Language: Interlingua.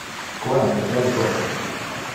Quante tempore!